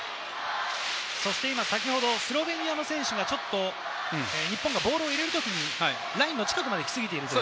先ほど、スロベニアの選手が、ちょっと日本がボールを入れるときにラインの近くまで来すぎていました。